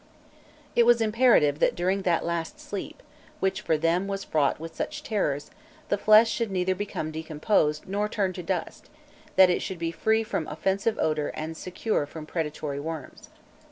It was imperative that during that last sleep, which for them was fraught with such terrors, the flesh should neither become decomposed nor turn to dust, that it should be free from offensive odour and secure from predatory worms.